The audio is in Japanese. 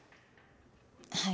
はい。